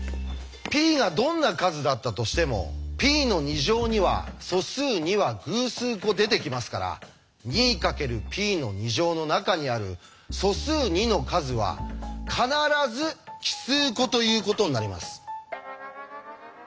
Ｐがどんな数だったとしてもＰの２乗には素数２は偶数個出てきますから２かけるＰの２乗の中にある素数２の数は必ず奇数個ということになります。